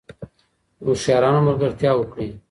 د هوښیارانو ملګرتیا وکړئ.